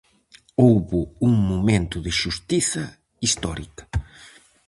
Houbo un momento de xustiza histórica.